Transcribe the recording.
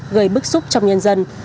gây bức xúc trong nhân dân